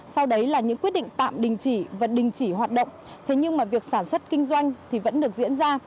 sau đấy là những quyết định tạm đình chỉ và đình chỉ hoạt động thế nhưng mà việc sản xuất kinh doanh thì vẫn được diễn ra